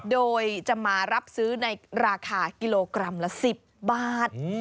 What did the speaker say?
โดยจะมารับซื้อในราคากิโลกรัมละ๑๐บาท